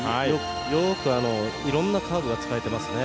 よくいろんなカーブが使えてますね。